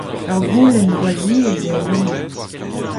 Ur goulenn gwall ziaes eo hemañ.